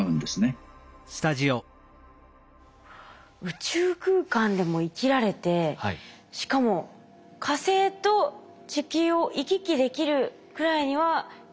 宇宙空間でも生きられてしかも火星と地球を行き来できるくらいには生きられちゃう。